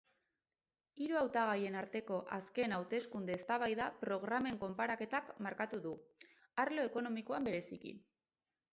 Hiru hautagaien arteko azken hauteskunde-eztabaida programen konparaketak markatu du, arlo ekonomikoan bereziki.